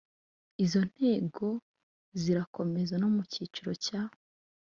Izo ntego zirakomeza no mu kiciro cya